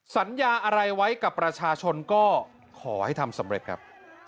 สัญญาอะไรไว้กับประชาชนก็ขอให้ทำสำเร็จครับ